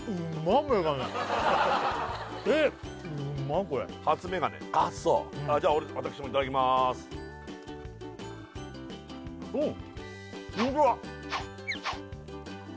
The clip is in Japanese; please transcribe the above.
えっうっまこれ初メガネあっそうじゃ私もいただきますうん！